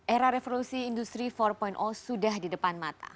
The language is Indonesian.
era revolusi industri empat sudah di depan mata